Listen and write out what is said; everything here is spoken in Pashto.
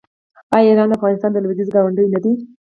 آیا ایران د افغانستان لویدیځ ګاونډی نه دی؟